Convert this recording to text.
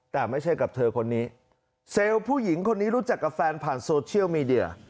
แต่ไม่ใช่กับเธอคนนี้เซลล์ผู้หญิงคนนี้รู้จักกับแฟนผ่านโซเชียลมีเดีย